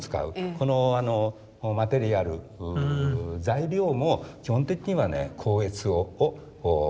このマテリアル材料も基本的にはね光悦を学んでいる。